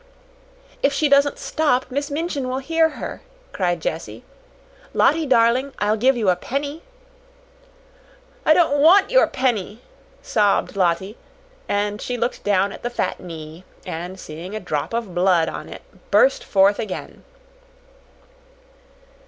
"If she doesn't stop, Miss Minchin will hear her," cried Jessie. "Lottie darling, I'll give you a penny!" "I don't want your penny," sobbed Lottie; and she looked down at the fat knee, and, seeing a drop of blood on it, burst forth again.